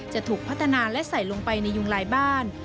จะถูกพัฒนาและใส่ลงไปในยุงลายบ้าน